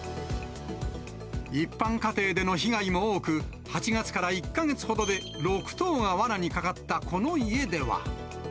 一般家庭での被害も多く、８月から１か月ほどで６頭がわなにかかったこの家では。